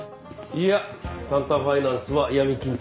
いやタンタンファイナンスは闇金とは違う。